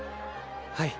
はい。